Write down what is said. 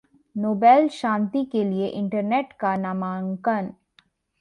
Nobel शांति के लिए इंटरनेट का नामांकन